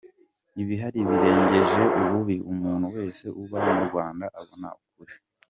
Ibihari birirengeje ububi. Umuntu wese uba mu Rwanda abona ukuri.